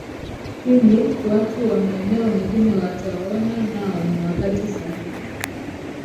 pili watu wa maeneo mengine wataona nao ni wakati sahihi